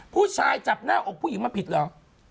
ผู้ชายจับหน้าอกผู้หญิงมาผิดเหรอ